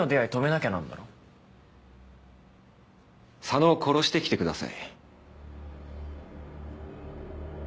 佐野を殺してきてください。